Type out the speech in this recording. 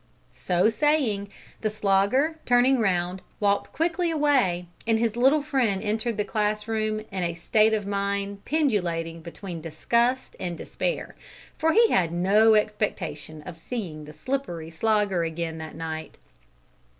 So saying, the Slogger, turning round, walked quickly away, and his little friend entered the class room in a state of mind pendulating between disgust and despair, for he had no expectation of seeing the slippery Slogger again that night.